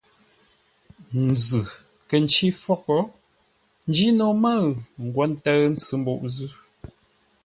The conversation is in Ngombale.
Nzʉ̂ kə̂ ncí fôghʼ, Njino mə̂ʉ ńgwó ńtə́ʉ ntsʉ mbuʼ zʉ́.